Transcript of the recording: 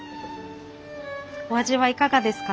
お味はいかがですか？